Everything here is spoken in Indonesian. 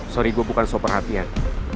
sorry gue bukan sok perhatian